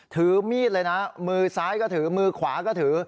ถือมีดเลยนะมือซ้ายก็ถือมือขวาก็ถือ